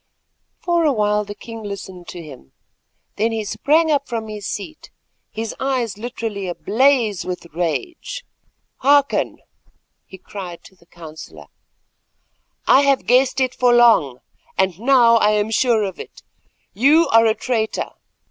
For a while the king listened to him, then he sprang from his seat, his eyes literally ablaze with rage. "Hearken," he cried to the counsellor; "I have guessed it for long, and now I am sure of it. You are a traitor.